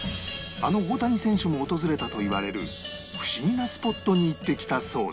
あの大谷選手も訪れたといわれる不思議なスポットに行ってきたそうで